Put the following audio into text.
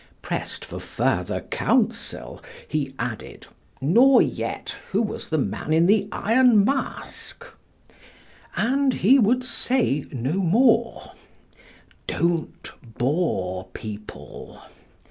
Pressed for further counsel he added, "Nor yet who was the man in the iron mask" and he would say no more. Don't bore people.